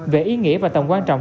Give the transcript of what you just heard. về ý nghĩa và tầm quan trọng